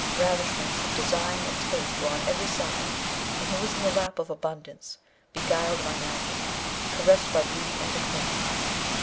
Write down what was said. Ravishments of design and taste were on every side, and he was in the lap of abundance, beguiled by magic, caressed by beauty and a Queen.